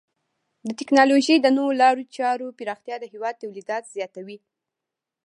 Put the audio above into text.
د ټکنالوژۍ د نوو لارو چارو پراختیا د هیواد تولیداتو زیاتوي.